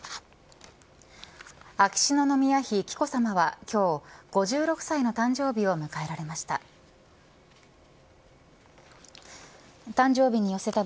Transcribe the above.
秋篠宮妃紀子さまは、今日５６歳の誕生日を迎えられました。